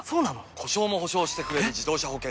故障も補償してくれる自動車保険といえば？